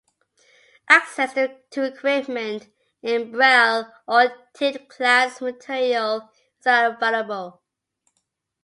Access to equipment and braille or taped class material is available.